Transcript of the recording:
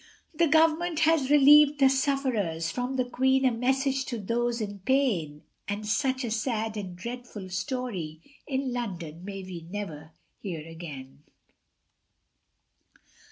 The government has relieved the sufferers, From the Queen, a message to those in pain, And such a sad and dreadful story, In London may we never hear again.